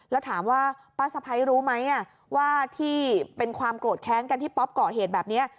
แล้วถามว่าป้าสะพ้ายรู้ไหมว่าที่เป็นความโกรธแค้นกันที่ป๊อปก่อเหตุแบบนี้